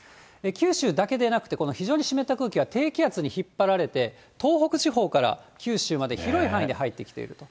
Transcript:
九州だけでなくて、この非常に湿った空気は低気圧に引っ張られて、東北地方から九州まで、広い範囲に入ってきていると。